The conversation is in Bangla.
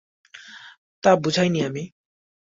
তা বুঝাইনি আমি।